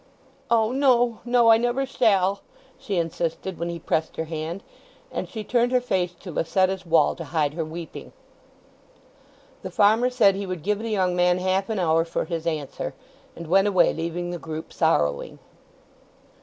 "O! no, no—I never shall," she insisted, when he pressed her hand; and she turned her face to Lucetta's wall to hide her weeping. The farmer said he would give the young man half an hour for his answer, and went away, leaving the group sorrowing.